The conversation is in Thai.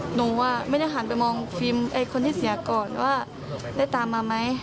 หนูไม่ได้หันไปมองฟิล์มคนที่เสียก่อนว่าได้ตามมาไหม